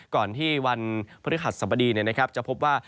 ก่อนที่วันพฤหัสสบดีจะพบว่า